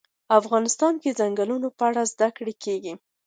افغانستان کې د ځنګلونه په اړه زده کړه کېږي.